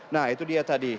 nah itu dia tadi